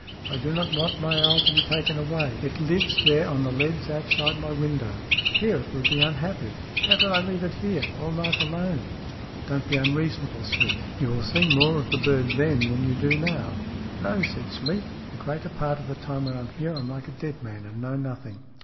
" I do not want my owl to be taken away. It lives there on the leads outside my window. Here it would be unhappy. How could I leave it here all night alone ?"" Don't be unreasonable, Smeath. You will see more of the bird then than you do now." " No," said Smeath. " The greater part of the time when I'm here I'm like a dead man, and know nothing."